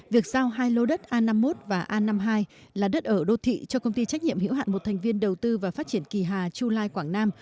việc giao hai lô đất a năm mươi một và a năm mươi hai là đất ở đô thị cho công ty trách nhiệm hiểu hạn một thành viên đầu tư và phát triển kỳ hà chu lai quảng nam